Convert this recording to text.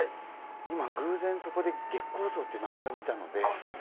今偶然そこで月光荘っていう名前を見たので。